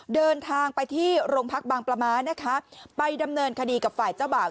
เดินทางไปที่โรงพักบางประม้านะคะไปดำเนินคดีกับฝ่ายเจ้าบ่าว